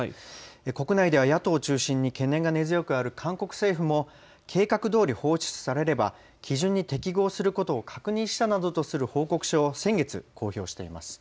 国内では野党を中心に懸念が根強くある韓国政府も計画どおり放出されれば基準に適合することを確認したなどとする報告書を先月、公表しています。